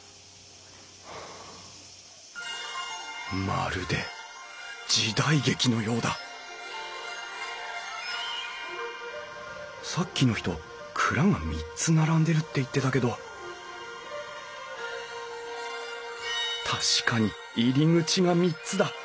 まるで時代劇のようださっきの人蔵が３つ並んでるって言ってたけど確かに入り口が３つだ。